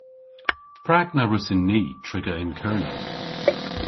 Prag na wrussyn ni triga yn Kernow?